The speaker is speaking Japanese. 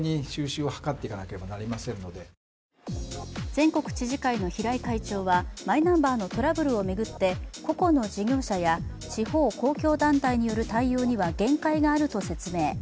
全国知事会の平井会長はマイナンバーのトラブルを巡って個々の事業者や地方公共団体による対応には限界があると説明。